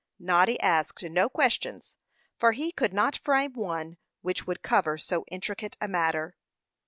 Noddy asked no questions, for he could not frame one which would cover so intricate a matter.